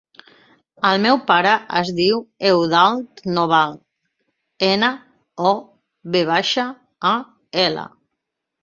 El meu pare es diu Eudald Noval: ena, o, ve baixa, a, ela.